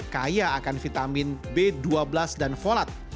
kaya akan vitamin b dua belas dan folat